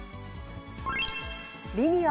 リニア